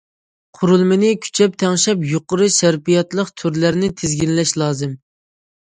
قۇرۇلمىنى كۈچەپ تەڭشەپ، يۇقىرى سەرپىياتلىق تۈرلەرنى تىزگىنلەش لازىم.